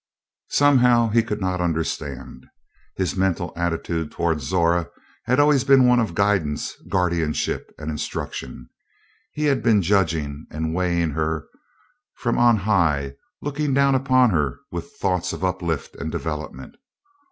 Somehow he could not understand. His mental attitude toward Zora had always been one of guidance, guardianship, and instruction. He had been judging and weighing her from on high, looking down upon her with thoughts of uplift and development.